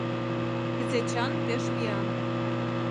Из-Эчан пеш виян: